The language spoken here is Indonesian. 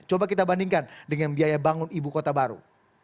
coba kita bandingkan dengan biaya bangun ibu kota baru